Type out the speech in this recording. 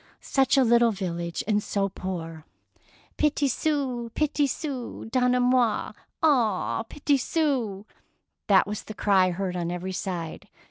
Such a little village, and so poor! "Petit sou, petit sou, donnez moi un petit sou I That was the cry heard on every side.